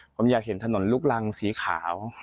ผมอยากเห็นถนนลูกรังสีขาว